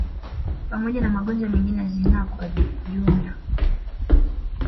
Pamoja na magonjwa mengine ya zinaa kwa ujumla